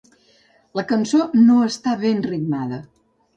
La cançó no està ben ritmada.